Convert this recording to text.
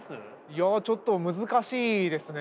いやちょっと難しいですね。